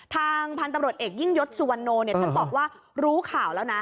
ทางพันธุ์ตำรวจเอกยิ่งยศสุวรรณโนท่านบอกว่ารู้ข่าวแล้วนะ